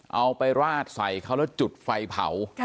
เอาไปราดใส่เขาแล้วจุดไฟเผา